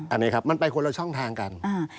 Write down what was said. อันนี้ครับมันไปคนละช่องทางกัน